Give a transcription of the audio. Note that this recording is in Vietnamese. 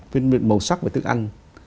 phân biệt màu sắc của thức ăn